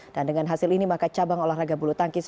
dan dengan hasil ini maka cabang olahraga bulu tangkis